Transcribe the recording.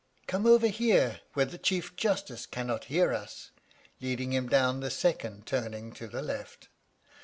Come over here where the Chief Justice cannot hear us," leading him down the second turning to the left.